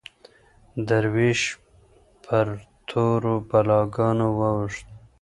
دروېش پر تورو بلاګانو واوښت